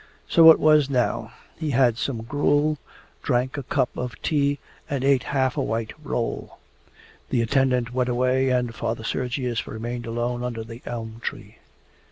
So it was now. He had some gruel, drank a cup of tea, and ate half a white roll. The attendant went away, and Father Sergius remained alone under the elm tree.